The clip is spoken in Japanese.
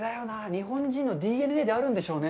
日本人のＤＮＡにあるんでしょうね。